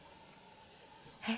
えっ？